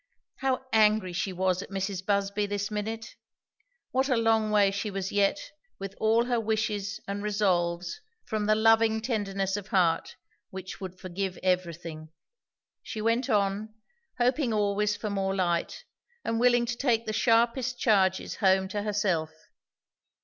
How angry she was at Mrs. Busby this minute! what a long way she was yet, with all her wishes and resolves, from the loving tenderness of heart which would forgive everything. She went on, hoping always for more light, and willing to take the sharpest charges home to herself.